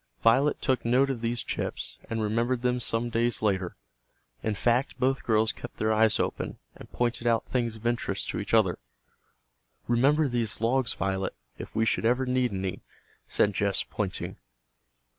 Violet took note of these chips, and remembered them some days later. In fact, both girls kept their eyes open, and pointed out things of interest to each other. "Remember these logs, Violet, if we should ever need any," said Jess pointing.